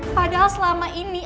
padahal selama ini